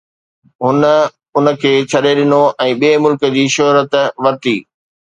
هن ان کي ڇڏي ڏنو ۽ ٻئي ملڪ جي شهريت ورتي